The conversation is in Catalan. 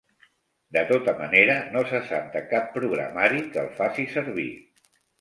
De tota manera, no se sap de cap programari que el faci servir.